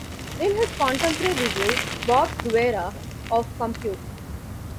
In his contemporary review, Bob Guerra of Compute!